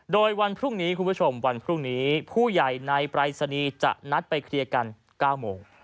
โดยวันพรุ่งนี้คุณผู้ชมวันพรุ่งนี้ผู้ใหญ่ในปรายศนีย์จะนัดไปเคลียร์กัน๙โมง